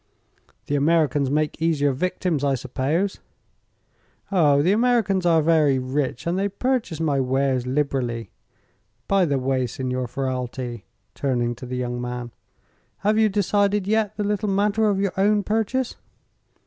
"The Americans make easier victims, I suppose." "Oh, the Americans are very rich, and they purchase my wares liberally. By the way, Signor Ferralti," turning to the young man, "have you decided yet the little matter of your own purchase?"